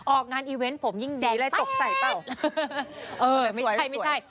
ออกงานอีเวนต์ผมยิ่งแดดแป๊บดีเลยตกใส่เปล่าเออไม่ใช่